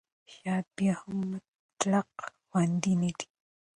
شات بیا هم مطلق خوندي نه دی.